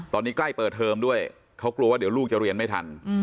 ตอนนี้ใกล้เปิดเทอมด้วยเขากลัวว่าเดี๋ยวลูกจะเรียนไม่ทัน